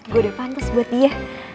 gue udah pantas buat dia